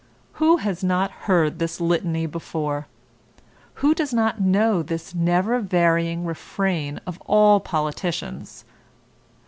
Who has not heard this litany before? Who does not know this never varying refrain of all politicians?